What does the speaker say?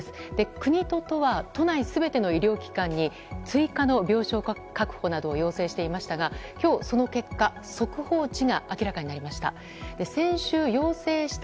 国と都は都内全ての医療機関に追加の病床確保などを要請していましたが今日、その結果速報値が明らかになりました。